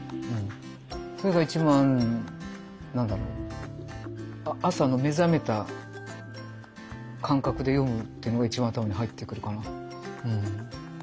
それが一番何だろう朝の目覚めた感覚で読むっていうのが一番頭に入ってくるかな。